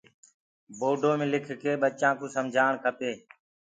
پورڊو مي لِک لي ٻچآ ڪو سمجهآڻ کپي۔